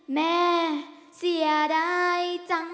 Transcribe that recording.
แม่เสียได้จัง